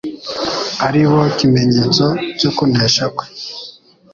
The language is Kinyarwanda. ari bo kimenyetso cyo kunesha kwe;